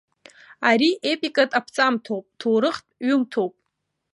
Ари епикатә аԥҵамҭоуп, ҭоурыхтә ҩымҭоуп.